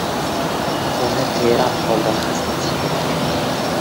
Uni teran holda his etish kerak.